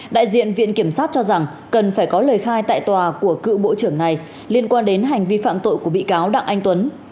đại diện viện kiểm sát cho rằng cần phải có lời khai tại tòa của cựu bộ trưởng này liên quan đến hành vi phạm tội của bị cáo đặng anh tuấn